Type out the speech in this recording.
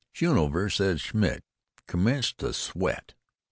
Shoonover said Schmitt commenced to sweat.